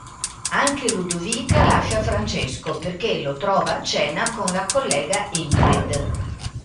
Anche Ludovica lascia Francesco perché lo trova a cena con la collega Ingrid.